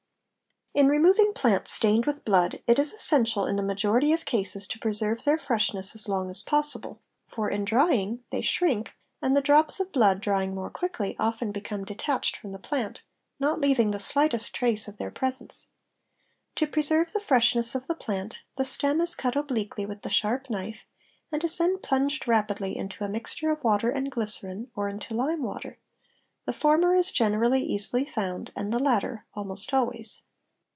In removing plants stained with blood, it is essential in the majority of cases to preserve their freshness as long as possible; for in drying, they shrink, and the drops of blood, drying more quickly, often become detached from the plant, not leaving the slightest trace of their presence. To preserve the freshness of the plant the stem is cut obliquely with a sharp knife, and is then plunged rapidly into a mixture of water and glycerine or into lime water; the former is generally easily found, the latter almost always.